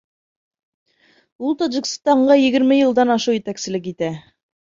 Ул Тажикстанға егерме йылдан ашыу етәкселек итә.